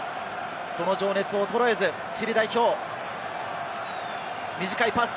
その情熱衰えず、チリ代表、短いパス。